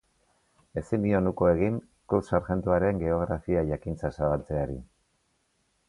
Ezin nion uko egin Cuff sarjentuaren geografia-jakintza zabaltzeari.